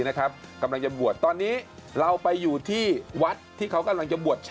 กำลังจะบวชตอนนี้เราไปอยู่ที่วัดที่เขากำลังจะบวช